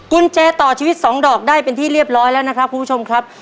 กุญแจต่อชีวิต๒ดอกได้เป็นที่เรียบร้อยแล้วนะครับคุณผู้ชมครับ